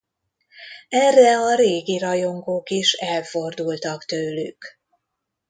Erre a régi rajongók is elfordultak tőlük.